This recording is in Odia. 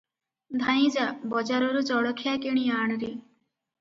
ଧାଇଁ ଯା ବଜାରରୁ ଜଳଖିଆ କିଣି ଆଣରେ ।"